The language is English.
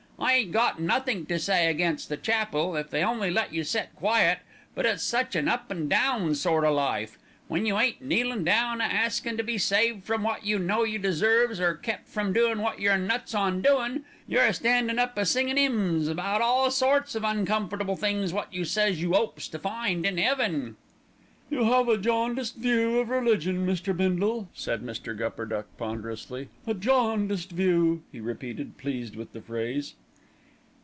"I ain't got nothink to say against the chapel, if they'd only let you set quiet; but it's such an up an' down sort o' life. When you ain't kneelin' down a askin' to be saved from wot you know you deserves, or kept from doin' wot you're nuts on doin', you're a standin' up a singin' 'ymns about all sorts of uncomfortable things wot you says you 'opes to find in 'eaven." "You have a jaundiced view of religion, Mr. Bindle," said Mr. Gupperduck ponderously. "A jaundiced view," he repeated, pleased with the phrase.